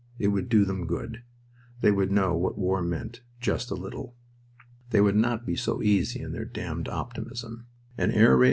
It would do them good. They would know what war meant just a little. They would not be so easy in their damned optimism. An air raid?